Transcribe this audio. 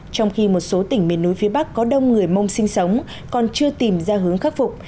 trong khi một số tỉnh miền núi phía bắc có đông người mong sinh sống còn chưa tìm ra hướng khắc phục